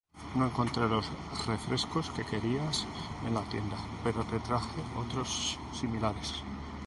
No encontré los refrescos que querías en la tienda pero te traje otros similares